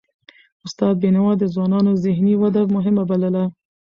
استاد بينوا د ځوانانو ذهني وده مهمه بلله.